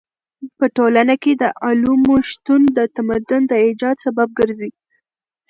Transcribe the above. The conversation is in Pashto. په ټولنه کې د علومو شتون د تمدن د ايجاد سبب ګرځي.